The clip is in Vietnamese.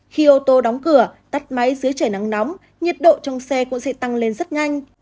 khi ô tô đóng cửa tắt máy dưới trời nắng nóng nhiệt độ trong xe cũng sẽ tăng lên rất nhanh